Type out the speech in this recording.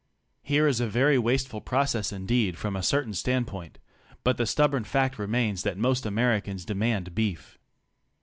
Here is a very wasteful process indeed from a certain standpoint, but the stubborn fact remains that most Americans demand beef.